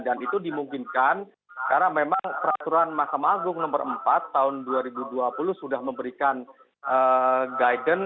dan itu dimungkinkan karena memang peraturan mahkamah agung nomor empat tahun dua ribu dua puluh sudah memberikan guidance